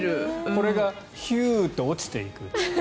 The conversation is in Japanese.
これがヒューッて落ちていく。